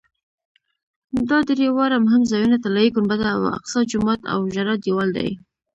دا درې واړه مهم ځایونه طلایي ګنبده او اقصی جومات او ژړا دیوال دي.